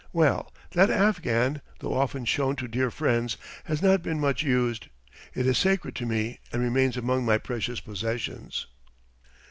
Well, that afghan, though often shown to dear friends, has not been much used. It is sacred to me and remains among my precious possessions.